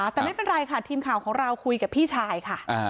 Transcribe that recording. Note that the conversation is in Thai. แต่ไม่เป็นไรค่ะทีมข่าวของเราคุยกับพี่ชายค่ะ